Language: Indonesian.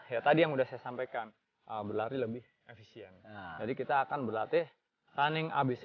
ya tadi yang udah saya sampaikan berlari lebih efisien jadi kita akan berlatih running abc